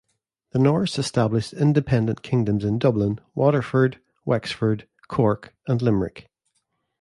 The Norse established independent kingdoms in Dublin, Waterford, Wexford, Cork and Limerick.